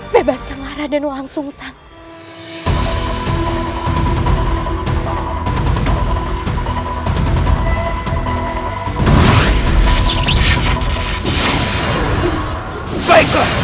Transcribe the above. bebaskan raden langsung saja